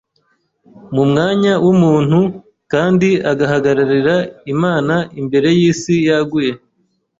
mu mwanya w’umuntu kandi agahagararira Imana imbere y’isi yaguye